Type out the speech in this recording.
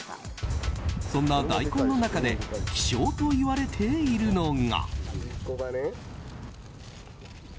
そんな大根の中で希少といわれているのが。